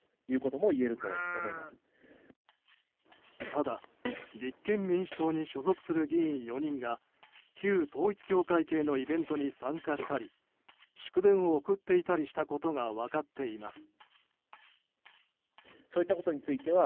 ただ立憲民主党に所属する議員４人が旧統一教会系のイベントに参加したり祝電を送っていたりしたことが分かっています。